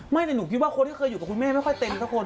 ไม่แต่หนูคิดว่าคนที่เคยอยู่กับคุณแม่ไม่ค่อยเต็มค่ะคุณ